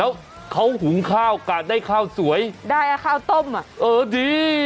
แล้วเขาหุงข้าวกะได้ข้าวสวยได้อ่ะข้าวต้มอ่ะเออดี